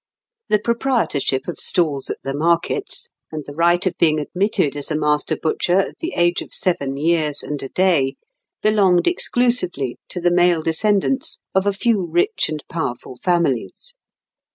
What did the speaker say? The proprietorship of stalls at the markets, and the right of being admitted as a master butcher at the age of seven years and a day, belonged exclusively to the male descendants of a few rich and powerful families.